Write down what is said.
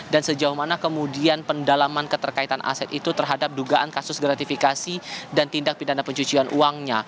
dan sejauh mana kemudian pendalaman keterkaitan aset itu terhadap dugaan kasus gratifikasi dan tindak pidana pencucian uangnya